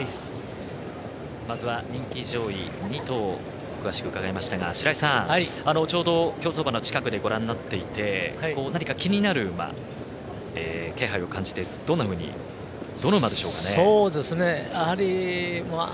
まずは人気上位２頭を詳しく伺いましたが白井さん、ちょうど競走馬の近くでご覧になっていて何か気になる馬、気配を感じてどの馬でしょうかね。